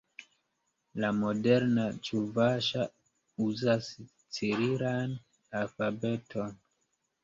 La moderna ĉuvaŝa uzas cirilan alfabeton.